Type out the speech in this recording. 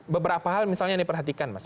beberapa hal misalnya yang diperhatikan mas